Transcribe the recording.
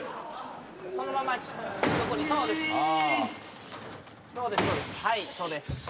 そのまんま横にそうです。